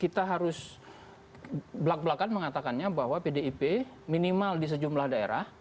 kita harus belak belakan mengatakannya bahwa pdip minimal di sejumlah daerah